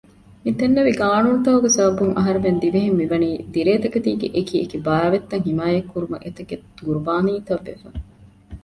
މިދެންނެވި ޤާނޫނުތަކުގެ ސަބަބުން އަހުރެމެން ދިވެހިން މިވަނީ ދިރޭތަކެތީގެ އެކިއެކި ބާވަތްތައް ޙިމާޔަތްކުރުމަށް އެތަކެއް ޤުރުބާނީތައް ވެފަ